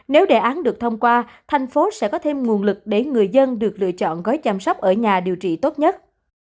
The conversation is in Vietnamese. nếu đề án được thông qua thành phố sẽ có thêm nguồn lực để người dân được lựa chọn gói chăm sóc ở nhà điều trị tốt nhất